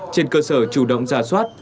trên cơ sở chủ động ra soát